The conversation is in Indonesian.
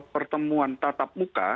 pertemuan tatap muka